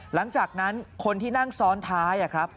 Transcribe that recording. หลังจากนั้นคนที่นั่งซ้อนท้ายครับ